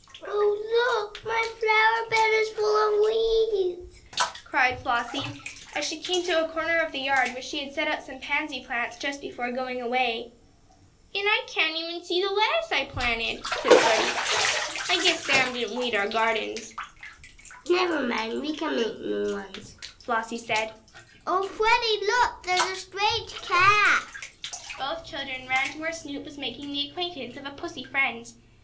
"Oh, look! My flower bed is full of weeds!" cried Flossie, as she came to a corner of the yard where she had set out some pansy plants just before going away. "And I can't even see the lettuce I planted," said Freddie. "I guess Sam didn't weed our gardens." "Never mind, we can make new ones," Flossie said. "Oh, Freddie, look! There's a strange cat!" Both children ran to where Snoop was making the acquaintance of a pussy friend.